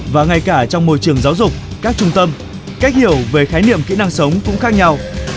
và ngay cả trong môi trường giáo dục các trung tâm cách hiểu về khái niệm kỹ năng sống cũng khác nhau